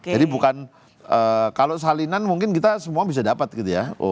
jadi bukan kalau salinan mungkin kita semua bisa dapat gitu ya